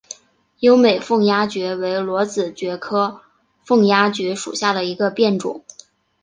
优美凤丫蕨为裸子蕨科凤丫蕨属下的一个变种。